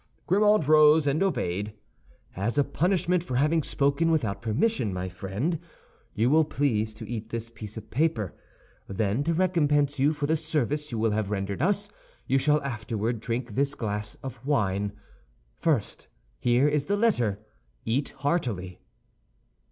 Grimaud rose and obeyed. "As a punishment for having spoken without permission, my friend, you will please to eat this piece of paper; then to recompense you for the service you will have rendered us, you shall afterward drink this glass of wine. First, here is the letter. Eat heartily."